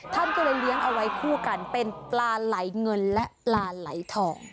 ท่านก็เลยเลี้ยงเอาไว้คู่กันเป็นปลาไหลเงินและปลาไหลทอง